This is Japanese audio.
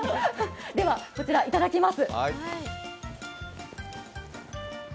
ではこちら、いただきます。